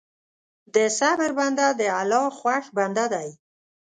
د صبر بنده د الله خوښ بنده دی.